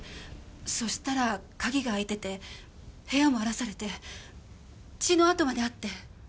そしたら鍵が開いてて部屋も荒らされて血の跡まであって。